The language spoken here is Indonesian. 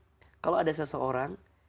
maaf ya kalau ada seseorang